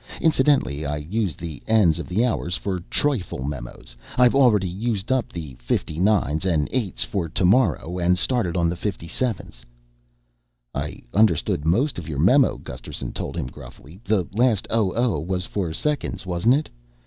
Incidentally, I use the ends of the hours for trifle memos. I've already used up the fifty nines and eights for tomorrow and started on the fifty sevens." "I understood most of your memo," Gusterson told him gruffly. "The last 'Oh oh' was for seconds, wasn't it?